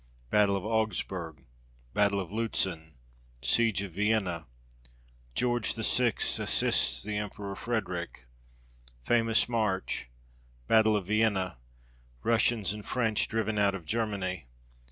Battle of Augsburg. Battle of Lutzen. Siege of Vienna. George VI. assists the Emperor Frederick. Famous march. Battle of Vienna. Russians and French driven out of Germany.